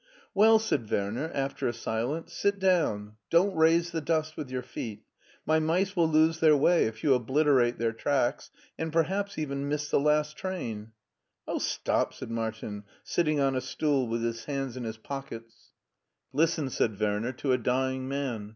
"Well," said Werner, after a silence, "sit down; don't raise the dust with your feet. My mice will lose their way if you obliterate their tracks, and perhaps miss even the last train." ^ Oh, stop! " said Martin, sitting on a stool with his hands in his pockets. HEIDELBERG 57 "Listen," said Werner, "to a dying man.